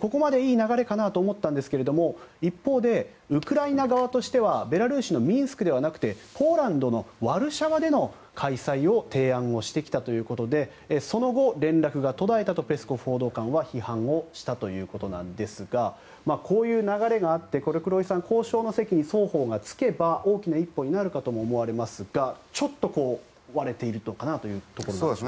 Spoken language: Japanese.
ここまでいい流れかと思ったんですが一方で、ウクライナ側としてはベラルーシのミンスクではなくてポーランドのワルシャワでの開催の提案をしてきたということでその後、連絡が途絶えたとペスコフ報道官は批判をしたということなんですがこういう流れがあって黒井さん、交渉の席に双方がつけば大きな一歩になるかと思いますがちょっとこう、割れているのかなというところです。